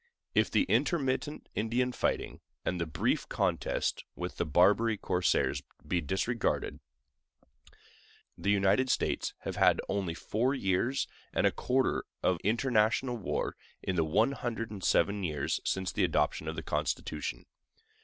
If the intermittent Indian fighting and the brief contest with the Barbary corsairs be disregarded, the United States have had only four years and a quarter of international war in the one hundred and seven years since the adoption of the Constitution.